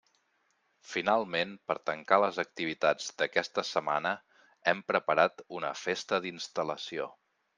Finalment, per tancar les activitats d'aquesta setmana hem preparat una Festa d'instal·lació.